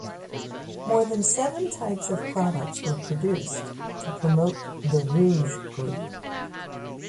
More than seven types of products were produced to promote the Rouge group.